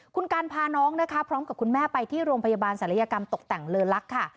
คุณกันพาน้องนะคะพร้อมกับคุณแม่ไปที่โรงพยาบาลศัลยกรรมตกแต่งเลอลักษณ์ค่ะ